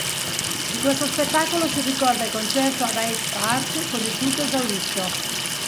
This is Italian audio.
Di questo spettacolo si ricorda il concerto ad Hyde Park con il tutto esaurito.